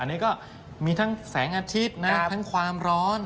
อันนี้ก็มีทั้งแสงอาทิตย์นะทั้งความร้อน